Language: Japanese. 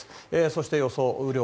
そして、予想雨量。